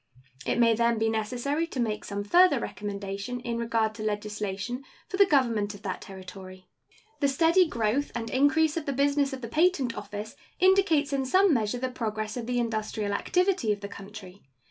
It may then be necessary to make some further recommendation in regard to legislation for the government of that Territory. The steady growth and increase of the business of the Patent Office indicates in some measure the progress of the industrial activity of the country.